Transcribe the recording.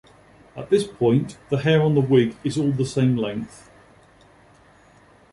At this point, the hair on the wig is all the same length.